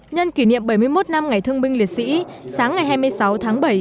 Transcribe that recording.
nhân kỷ niệm bảy mươi một năm ngày thương binh liệt sĩ sáng ngày hai mươi sáu tháng bảy